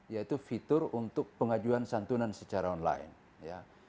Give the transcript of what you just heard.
yaitu fitur untuk pengajuan santunan secara online ya